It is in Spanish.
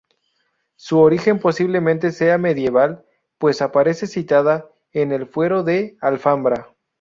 Su origen posiblemente sea medieval, pues aparece citada en el Fuero de Alfambra.